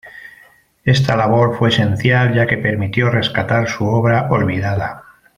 Esta labor fue esencial, ya que permitió rescatar su obra olvidada.